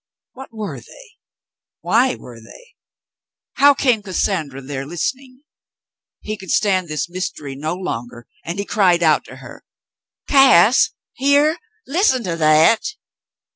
What were they ? Why were they .^ How came Cassandra there listening .^ He could stand this mystery no longer — and he cried out to her. "Cass, hear. Listen to that."